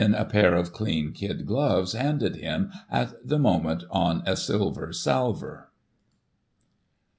[1843 a pair of clean kid gloves, handed him, at the moment, on a silver salver."